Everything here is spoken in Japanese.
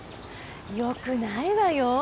よくないわよ！